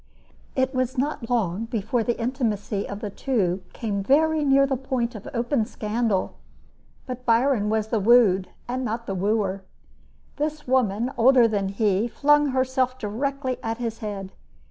It was not long before the intimacy of the two came very near the point of open scandal; but Byron was the wooed and not the wooer. This woman, older than he, flung herself directly at his head.